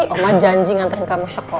om maik janji ngantarin kamu sekolah